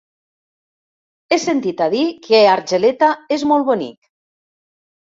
He sentit a dir que Argeleta és molt bonic.